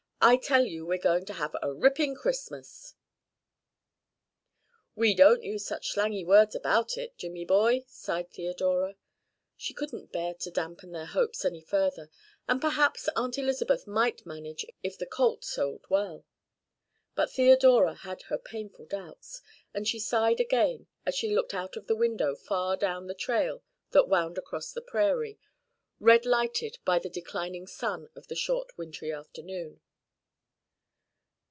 I tell you we're going to have a ripping Christmas." "Well, don't use such slangy words about it, Jimmy boy," sighed Theodora. She couldn't bear to dampen their hopes any further, and perhaps Aunt Elizabeth might manage it if the colt sold well. But Theodora had her painful doubts, and she sighed again as she looked out of the window far down the trail that wound across the prairie, red lighted by the declining sun of the short wintry afternoon.